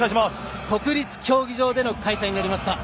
国立競技場での開催となりました。